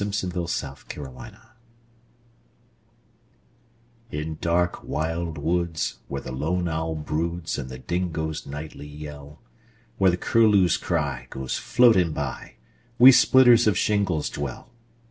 Song of the Shingle Splitters IN dark wild woods, where the lone owl broodsAnd the dingoes nightly yell—Where the curlew's cry goes floating by, We splitters of shingles dwell.